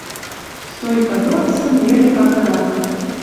Стойка дорцын йӹле пакырак!»